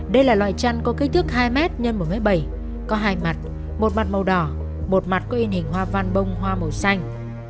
đây là loại chăn có kích thước hai m x một m bảy có hai mặt một mặt màu đỏ một mặt có in hình hoa văn bông hoa màu xanh